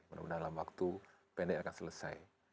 mudah mudahan dalam waktu pendek akan selesai